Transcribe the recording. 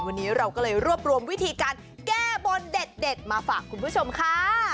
วันนี้เราก็เลยรวบรวมวิธีการแก้บนเด็ดมาฝากคุณผู้ชมค่ะ